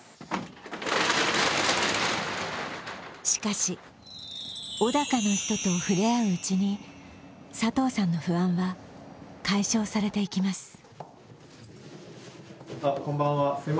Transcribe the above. しかし、小高の人と触れ合ううちに、佐藤さんの不安は解消されていきます。